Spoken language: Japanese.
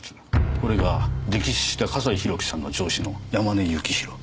これが溺死した笠井宏樹さんの上司の山根幸博。